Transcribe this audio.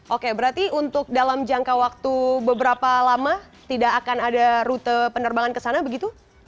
oke berarti untuk dalam jangka waktu beberapa lama tidak akan ada rute penerbangan ke sana begitu